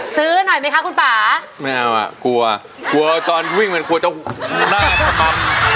ซื้อหน่อยไหมคะคุณป่าไม่เอาอ่ะกลัวตอนวิ่งเหมือนกลัวเจ้าหน้า